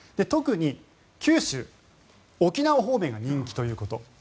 特に九州、沖縄方面が人気ということ。